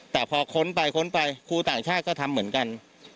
แต่พอค้นไปค้นไปครูต่างชาติก็ทำเหมือนกัน